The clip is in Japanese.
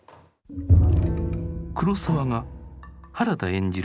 黒澤が原田演じる